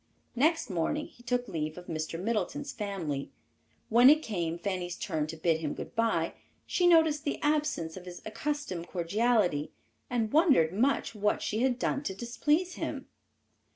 Next morning he took leave of Mr. Middleton's family. When it came Fanny's turn to bid him good by, she noticed the absence of his accustomed cordiality, and wondered much what she had done to displease him.